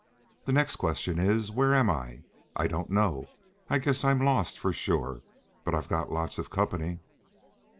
The next question is, where am I? I don't know. I guess I'm lost for sure. But I've got lots of company."